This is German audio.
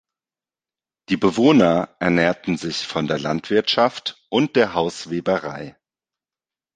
Die Bewohner ernährten sich von der Landwirtschaft und der Hausweberei.